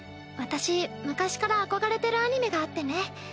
私昔から憧れてるアニメがあってね